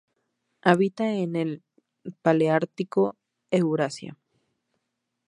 Habita en el paleártico: Eurasia.